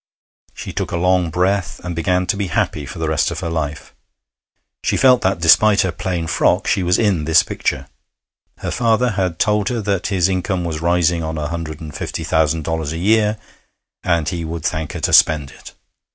She took a long breath, and began to be happy for the rest of her life. She felt that, despite her plain frock, she was in this picture. Her father had told her that his income was rising on a hundred and fifty thousand dollars a year, and he would thank her to spend it.